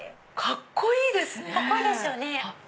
カッコいいですよね。